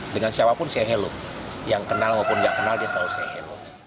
dengan siapapun say hello yang kenal maupun gak kenal dia selalu say hello